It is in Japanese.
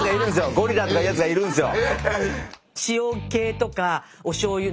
ゴリラとか言うやつがいるんすよ。